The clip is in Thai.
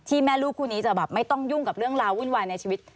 แม่ลูกคู่นี้จะแบบไม่ต้องยุ่งกับเรื่องราววุ่นวายในชีวิต